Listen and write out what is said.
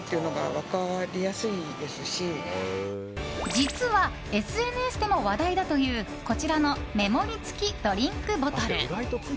実はＳＮＳでも話題だというこちらの目盛り付きドリンクボトル。